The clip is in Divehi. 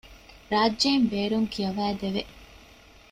ރާއްޖެއިން ބޭރުން ކިޔަވައިދެވެ